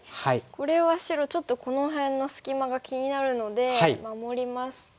これは白ちょっとこの辺の隙間が気になるので守りますと。